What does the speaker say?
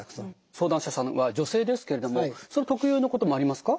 相談者さんの場合女性ですけれどもその特有のこともありますか？